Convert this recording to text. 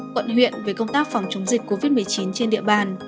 quận huyện về công tác phòng chống dịch covid một mươi chín trên địa bàn